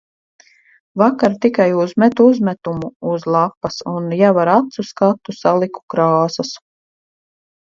Vakar tikai uzmetu uzmetumu uz lapas un jau ar acu skatu saliku krāsas.